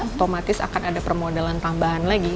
otomatis akan ada permodalan tambahan lagi